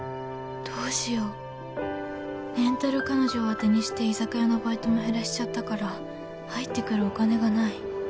どうしようレンタル彼女を当てにして居酒屋のバイトも減らしちゃったから入ってくるお金がない。